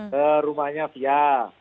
ke rumahnya fia